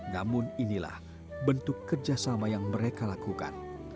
namun inilah bentuk kerjasama yang mereka lakukan